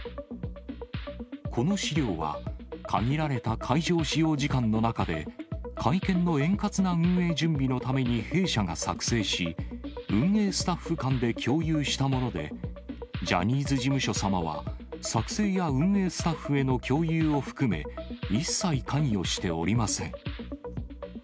この資料は、限られた会場使用時間の中で、会見の円滑な運営準備のために弊社が作成し、運営スタッフ間で共有したもので、ジャニーズ事務所様は、作成や運営スタッフへの共有を含め、一切関与しておりません。